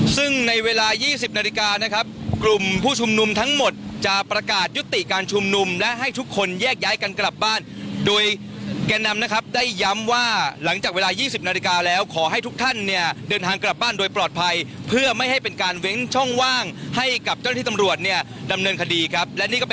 ซึ่งในเวลา๒๐นาฬิกานะครับกลุ่มผู้ชุมนุมทั้งหมดจะประกาศยุติการชุมนุมและให้ทุกคนแยกย้ายกันกลับบ้านโดยแก่นำนะครับได้ย้ำว่าหลังจากเวลา๒๐นาฬิกาแล้วขอให้ทุกท่านเนี่ยเดินทางกลับบ้านโดยปลอดภัยเพื่อไม่ให้เป็นการเว้นช่องว่างให้กับเจ้าหน้าที่ตำรวจเนี่ยดำเนินคดีครับและนี่ก็เป็น